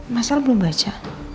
masalah belum baca